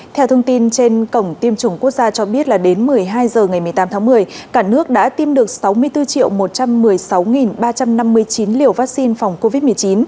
theo thông tin trên cổng tiêm chủng quốc gia cho biết là đến một mươi hai h ngày một mươi tám tháng một mươi cả nước đã tiêm được sáu mươi bốn một trăm một mươi sáu ba trăm năm mươi chín liều vaccine phòng covid một mươi chín